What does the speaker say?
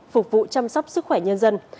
phục vụ chăm sóc sức khỏe nhân dân